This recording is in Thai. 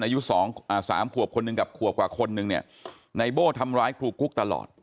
อายุ๓ขวบคนหนึ่งกับขวบกว่าคนหนึ่งไนโบ้ทำร้ายครูกุ๊กตลอด